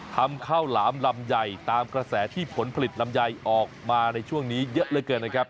ทำข้าวหลามลำไยตามกระแสที่ผลผลิตลำไยออกมาในช่วงนี้เยอะเหลือเกินนะครับ